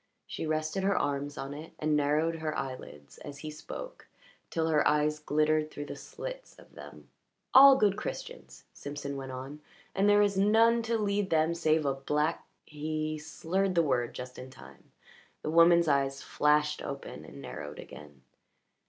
She rested her arms on it, and narrowed her eyelids as he spoke till her eyes glittered through the slits of them. "All good Christians," Simpson went on; "and there is none to lead them save a black " He slurred the word just in time. The woman's eyes flashed open and narrowed again.